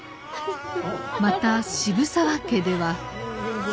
また渋沢家では。